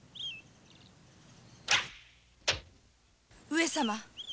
上様。